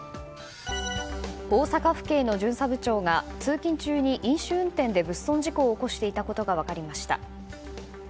大阪府警の巡査部長が通勤中に、飲酒運転で物損事故を起こしていたことが分かりました。